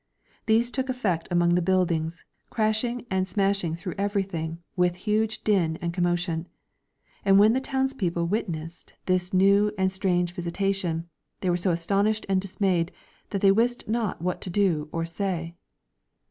These took effect among the buildings, crashing and smashing through c\crything with huge din and com motion. And wlun rlu townspeople witnessed this new Chap. LXX. CAPTURE OF SAIANFU. 121 and strange visitation they were so astonished and dismayed that they wist not what to do or say.